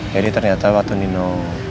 jadi ternyata waktu nino